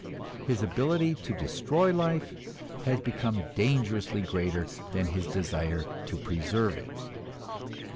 His ability to destroy life has become dangerously greater than his desire to preserve it.